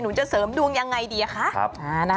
หนูจะเสริมดวงอย่างไรดีล่ะคะ